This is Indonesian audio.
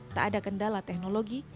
tak ada kendala teknologi